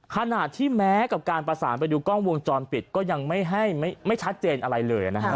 ขนาดที่แม้กับการประสานไปดูกล้องวงจรเปลี่ยนก็ยังไม่ชัดเจนอะไรเลย